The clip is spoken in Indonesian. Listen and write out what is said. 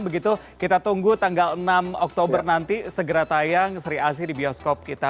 begitu kita tunggu tanggal enam oktober nanti segera tayang sri asih di bioskop kita